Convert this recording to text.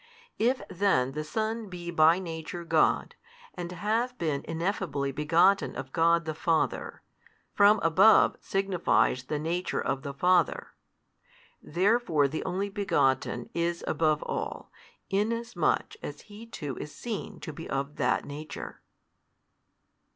If then the Son be by Nature God, and have been ineffably begotten of God the Father, from above signifies the Nature of the Father. Therefore the Only Begotten is above all, inasmuch as He too is seen to be of that Nature.